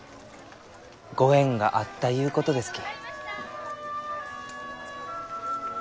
ご縁があったゆうことですき。